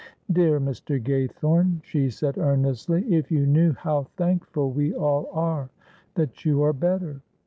"Dear Mr. Gaythorne," she said, earnestly, "if you knew how thankful we all are that you are better."